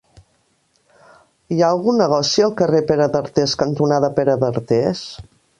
Hi ha algun negoci al carrer Pere d'Artés cantonada Pere d'Artés?